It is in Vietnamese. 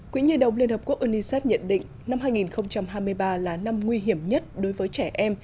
quỹ nhi đồng liên hợp quốc unicef nhận định năm hai nghìn hai mươi ba là năm nguy hiểm nhất đối với trẻ em